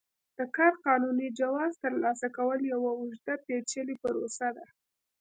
د کار قانوني جواز ترلاسه کول یوه اوږده پېچلې پروسه ده.